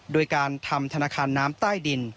โดยการทำธนาคารน้ำใต้ดิน